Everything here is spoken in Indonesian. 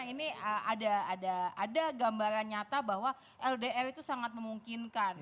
ini ada gambaran nyata bahwa ldr itu sangat memungkinkan